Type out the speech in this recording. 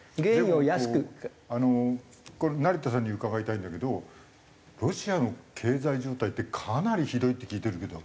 でもこうあのこれ成田さんに伺いたいんだけどロシアの経済状態ってかなりひどいって聞いてるけど。